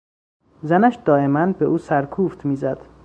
زنش دائما به او سرکوفت میزد.